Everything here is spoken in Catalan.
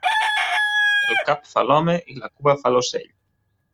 El cap fa l'home i la cua fa l'ocell.